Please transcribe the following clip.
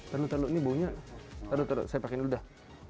ternyata ini baunya aduh saya pakai ini dulu dah